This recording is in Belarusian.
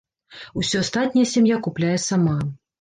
Усё астатняе сям'я купляе сама.